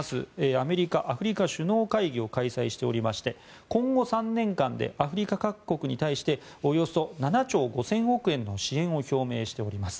アメリカ・アフリカ首脳会議を開催しておりまして今後３年間でアフリカ各国に対しておよそ７兆５０００億円の経済支援を表明しております。